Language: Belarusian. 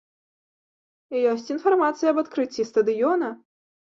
Ёсць інфармацыя аб адкрыцці стадыёна!